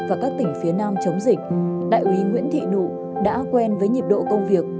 và các tỉnh phía nam chống dịch đại úy nguyễn thị nụ đã quen với nhịp độ công việc